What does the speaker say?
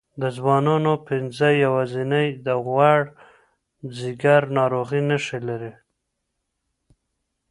د ځوانانو پنځه یوازینۍ د غوړ ځیګر ناروغۍ نښې لري.